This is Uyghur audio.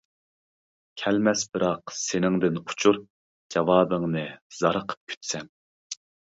كەلمەس بىراق سېنىڭدىن ئۇچۇر، جاۋابىڭنى زارىقىپ كۈتسەم.